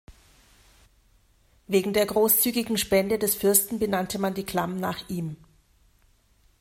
Wegen der großzügigen Spende des Fürsten benannte man die Klamm nach ihm.